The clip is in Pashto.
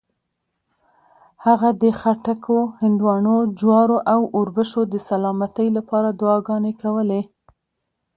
هغه د خټکو، هندواڼو، جوارو او اوربشو د سلامتۍ لپاره دعاګانې کولې.